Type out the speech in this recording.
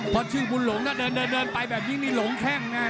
พอชื่อบุญหลงก็เดินเดินไปแบบนี้ลงแข้งนะ